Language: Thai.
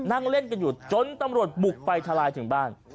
นั่งเล่นกันอยู่จนตำรวจบุกไปทลายถึงบ้าน